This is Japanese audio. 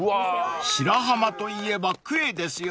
［白浜といえばクエですよね］